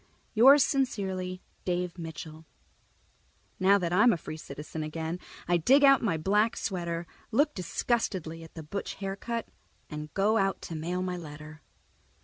_ Yours sincerely, Dave Mitchell Now that I'm a free citizen again, I dig out my black sweater, look disgustedly at the butch haircut, and go out to mail my letter.